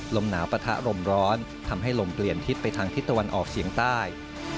ลมหนาวปะทะลมร้อนทำให้ลมเปลี่ยนทิศไปทางทิศตะวันออกเฉียงใต้